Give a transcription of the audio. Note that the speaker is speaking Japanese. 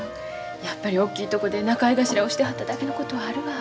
やっぱり大きいとこで仲居頭をしてはっただけのことはあるわ。